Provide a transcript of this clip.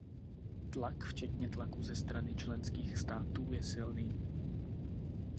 Tlak včetně tlaku ze strany členských států je silný.